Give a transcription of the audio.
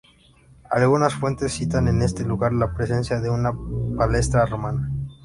Algunas fuentes citan en este lugar la presencia de una palestra romana.